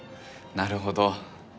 なるほど。